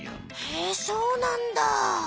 へえそうなんだ。